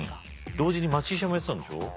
同時に町医者もやってたんでしょ？